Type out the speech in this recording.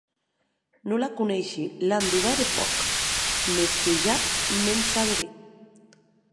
Non la coneishi; l’an dubèrt hè pòc; mès que ja m’en saberè.